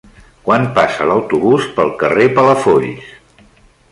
Quan passa l'autobús pel carrer Palafolls?